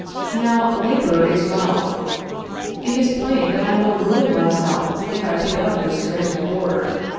Now, labor is wealth. It is plain that I will ruin myself if I pick up this stranded board.